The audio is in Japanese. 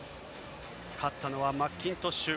勝ったのはマッキントッシュ。